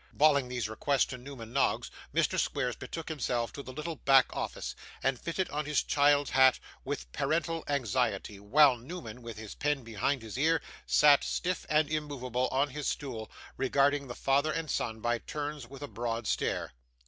Bawling these requests to Newman Noggs, Mr. Squeers betook himself to the little back office, and fitted on his child's hat with parental anxiety, while Newman, with his pen behind his ear, sat, stiff and immovable, on his stool, regarding the father and son by turns with a broad stare.